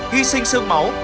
hy sinh sương máu